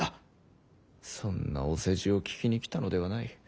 そんなお世辞を聞きに来たのではない。